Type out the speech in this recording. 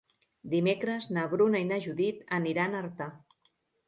Dimecres na Bruna i na Judit aniran a Artà.